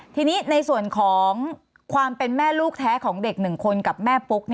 ทีนี้ในส่วนของความเป็นแม่ลูกแท้ของเด็ก๑คนกับแม่ปุ๊ก